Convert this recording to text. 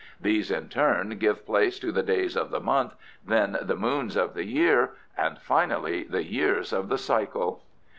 These in turn give place to the days of the month, then the moons of the year, and finally the years of the cycle."